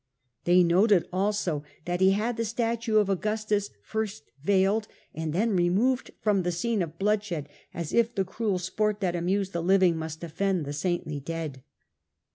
They noted also that he had the statue of Augustus first veiled and then removed from the scene of bloodshed, as if the cruel sport that amused the living must offend the saintly dead.